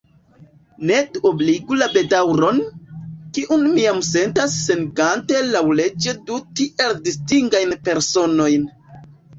Ne duobligu la bedaŭron, kiun mi jam sentas senigante laŭleĝe du tiel distingajn personojn.